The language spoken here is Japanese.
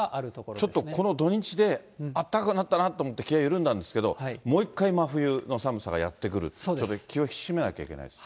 ちょっとこの土日で暖かくなったなって思って、気が緩んだんですけど、もう１回、真冬の寒さがやって来る、ちょっと気を引き締めなきゃいけないですね。